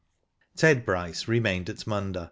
Ted Bryce remained at Munda.